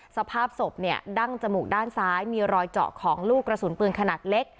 สภาพศพเนี่ยดั้งจมูกด้านซ้ายมีรอยเจาะของลูกกระสุนปืนขนาดเล็ก